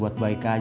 gak ada nyebab